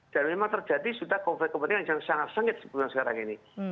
dan memang terjadi sudah konflik kepentingan yang sangat sengit sekarang ini